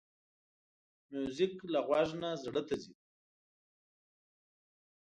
موزیک له غوږ نه زړه ته ځي.